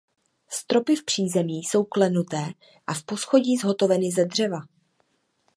Stropy v přízemí jsou klenuté a v poschodí zhotoveny ze dřeva.